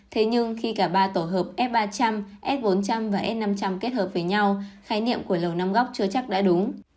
thế nhưng khi cả ba tổ hợp f ba trăm linh s bốn trăm linh và s năm trăm linh kết hợp với nhau khái niệm của lầu năm góc chưa chắc đã đúng